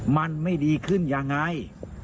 มันไม่ดีขึ้นยังไง